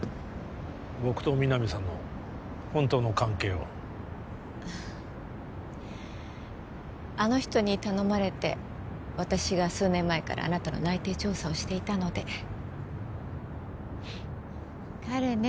僕と皆実さんの本当の関係をあの人に頼まれて私が数年前からあなたの内偵調査をしていたので彼ね